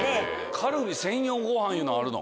カルビ専用ごはんいうのあるの？